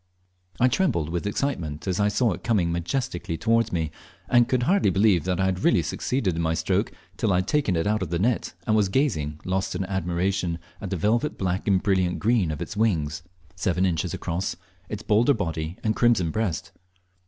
I trembled with excitement as I saw it coming majestically towards me, and could hardly believe I had really succeeded in my stroke till I had taken it out of the net and was gazing, lost in admiration, at the velvet black and brilliant green of its wings, seven inches across, its bolder body, and crimson breast.